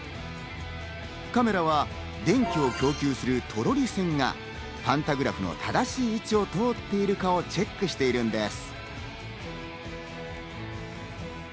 カメラは電気を供給するトロリ線がパンタグラフの正しい位置を通っているかをチェックしているのです。